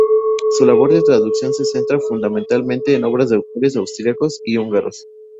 Su labor de traducción se centra fundamentalmente en obras de autores austriacos y húngaros.